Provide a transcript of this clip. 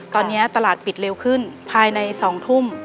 ตอนนี้ตลาดปิดเร็วขึ้นภายใน๒ทุ่ม